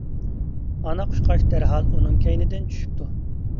ئانا قۇشقاچ دەرھال ئۇنىڭ كەينىدىن چۈشۈپتۇ.